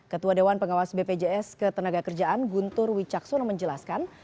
ketua dewan pengawas bpjs ketenaga kerjaan guntur wicaksono menjelaskan